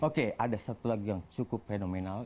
oke ada satu lagi yang cukup fenomenal